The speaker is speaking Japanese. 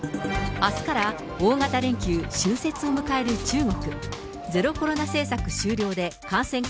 あすから大型連休、春節を迎える中国。